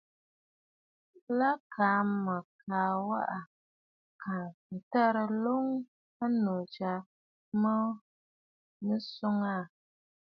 Lâ kaa mə̀ ka waꞌà kà ǹtərə nloŋ ɨnnù jû mə mə̀ yə aà.